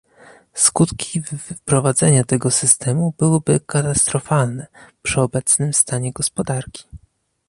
Skutki wprowadzenia tego systemu byłyby katastrofalne przy obecnym stanie gospodarki